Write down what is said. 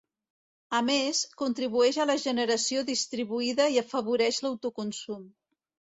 A més, contribueix a la generació distribuïda i afavoreix l'autoconsum.